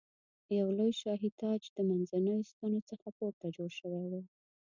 یو لوی شاهي تاج د منځنیو ستنو څخه پورته جوړ شوی و.